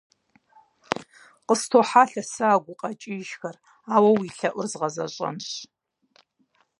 Къыстохьэлъэ сэ а гукъэкӀыжхэр, ауэ уи лъэӀур згъэзэщӀэнщ.